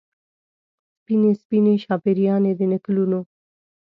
سپینې، سپینې شاپیريانې د نکلونو